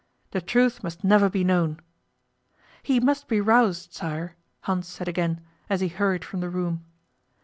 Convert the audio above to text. The truth must never be known.' 'He must be roused, sire,' Hans said again, as he hurried from the room.